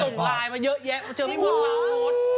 ยุฏวิ่งไล่มาเยอะแยะเจอไม่หมด